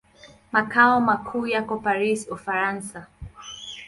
Makao makuu yako Paris, Ufaransa.